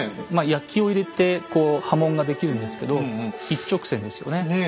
焼きを入れてこう刃文ができるんですけど一直線ですよね。